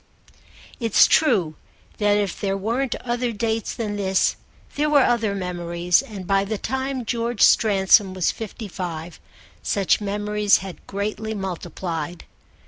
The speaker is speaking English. It's true that if there weren't other dates than this there were other memories; and by the time George Stransom was fifty five such memories had greatly multiplied.